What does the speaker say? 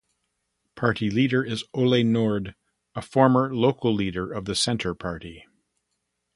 Party leader is Olle Nord, a former local leader of the Centre Party.